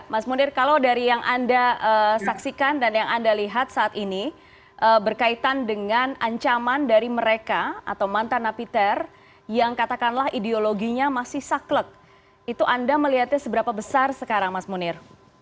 mas munir kalau dari yang anda saksikan dan yang anda lihat saat ini berkaitan dengan ancaman dari mereka atau mantan napiter yang katakanlah ideologinya masih saklek itu anda melihatnya seberapa besar sekarang mas munir